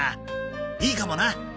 いいかもな。